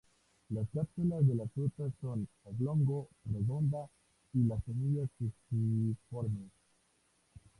Las cápsulas de la fruta son oblongo-redonda, y las semillas fusiformes.